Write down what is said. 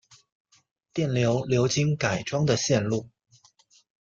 电流流经改装的线路